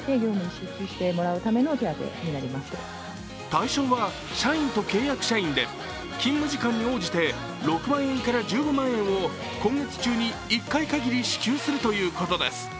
対象は社員と契約社員で勤務時間に応じて６万円から１５万円を今月中に１回かぎり支給するということです。